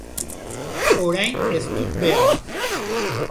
Orain ez dut behar.